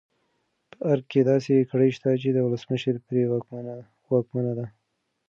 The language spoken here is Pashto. په ارګ کې داسې کړۍ شته چې د ولسمشر پرې واکمنه ده.